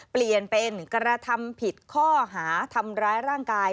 เปลี่ยนเป็นกระทำผิดข้อหาทำร้ายร่างกาย